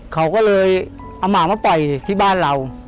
เขาก็เลยเอาหมามาปล่อยที่บ้านเรา